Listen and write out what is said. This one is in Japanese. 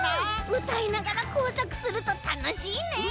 うたいながらこうさくするとたのしいね。